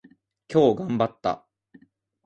今日頑張った。